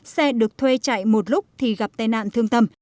xe được thuê chạy một lúc thì gặp tai nạn thương tâm